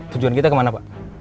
tujuan kita kemana pak